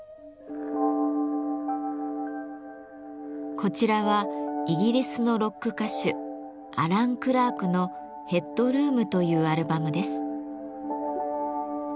こちらはイギリスのロック歌手アラン・クラークの「ヘッドルーム」というアルバムです。